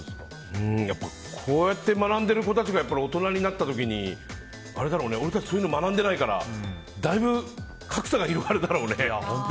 こうやって学んでいる子たちが大人になった時に俺たちそういうの学んでないからだいぶ、格差が広がるだろうね。